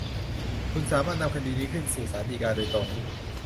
คุณสามารถนำคดีนี้ขึ้นสู่ศาลฎีกาโดยตรง